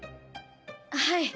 はい。